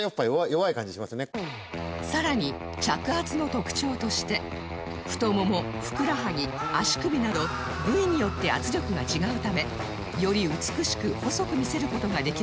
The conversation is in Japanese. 更に着圧の特徴としてふとももふくらはぎ足首など部位によって圧力が違うためより美しく細く見せる事ができるのです